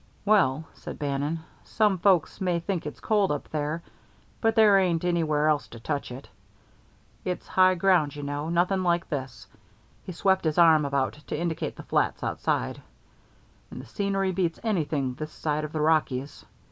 "Well," said Bannon, "some folks may think it's cold up there, but there ain't anywhere else to touch it. It's high ground, you know nothing like this" he swept his arm about to indicate the flats outside "and the scenery beats anything this side of the Rockies.